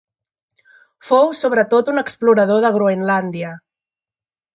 Fou sobretot un explorador de Groenlàndia.